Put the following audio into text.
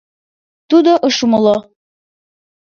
Тудо ыш умыло.